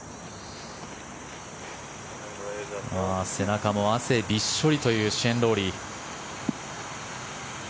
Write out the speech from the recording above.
背中も汗びっしょりというシェーン・ロウリー。